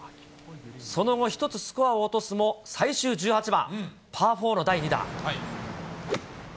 その後１つスコアを落とすも、最終１８番パーフォーの第２打。